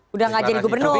sudah gak jadi gubernur